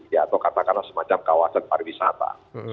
ya atau katakanlah semacam kawasan pariwisata